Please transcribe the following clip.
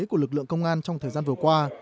của lực lượng công an trong thời gian vừa qua